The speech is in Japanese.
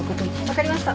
分かりました。